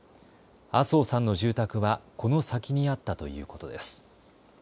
麻生さんの住宅はこの先にあったということです。